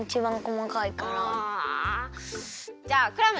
じゃあクラム！